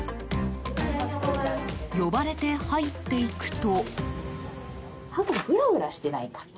呼ばれて入っていくと。